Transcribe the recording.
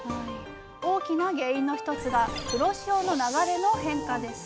大きな原因の一つが黒潮の流れの変化です。